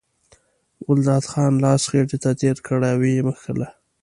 ګلداد خان لاس خېټې ته تېر کړ او یې مښله.